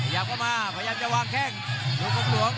ยับเข้ามาพยายามจะวางแข้งลูกกบลวง